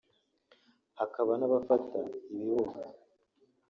hakaba n’abafata ibibuga